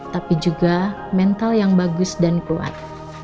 tapi juga mental yang bagus dan kuat